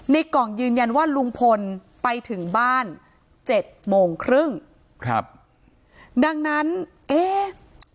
กล่องยืนยันว่าลุงพลไปถึงบ้านเจ็ดโมงครึ่งครับดังนั้นเอ๊ะ